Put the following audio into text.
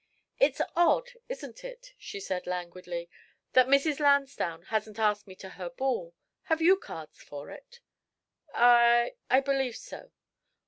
"It's odd, isn't it," she said languidly, "that Mrs. Lansdowne hasn't asked me to her ball. Have you cards for it?" "I I believe so."